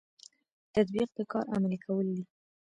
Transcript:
تطبیق د کار عملي کول دي